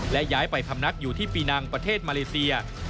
และย้ายไปพำนักอยู่ที่ปีนังประเทศมาเลเซีย